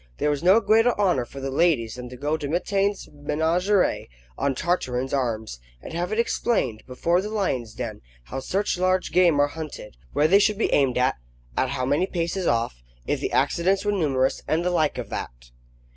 There was no greater honour for the ladies than to go to Mitaine's Menagerie on Tartarin's arms, and have it explained before the lion's den how such large game are hunted, where they should be aimed at, at how many paces off; if the accidents were numerous, and the like of that.